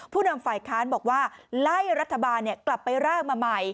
นำฝ่ายค้านบอกว่าไล่รัฐบาลกลับไปร่างมาใหม่